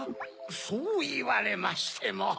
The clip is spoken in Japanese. そういわれましても。